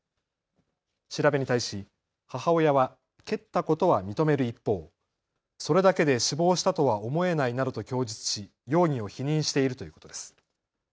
調べに対し母親は蹴ったことは認める一方、それだけで死亡したとは思えないなどと供述し容疑を否認しているということです。